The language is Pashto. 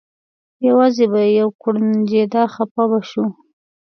یوازې به یې یو کوړنجېده خپه به شو.